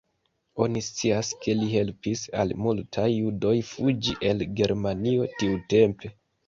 Oni scias ke li helpis al multaj judoj fuĝi el Germanio tiutempe.